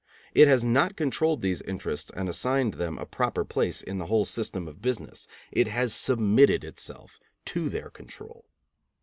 It has not controlled these interests and assigned them a proper place in the whole system of business; it has submitted itself to their control.